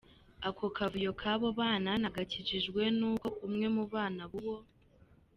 Ako kavuyo k’abo bana nagakijijwe n’uko umwe mu bana b’uwo.